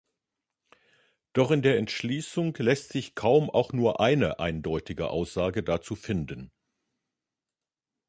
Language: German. Doch in der Entschließung lässt sich kaum auch nur eine eindeutige Aussage dazu finden.